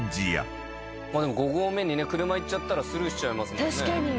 ５合目にね車で行っちゃったらスルーしちゃいますもんね。